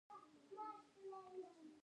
آیا دوی مکتبونه او بندونه نه جوړ کړل؟